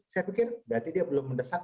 saya pikir berarti dia belum mendesak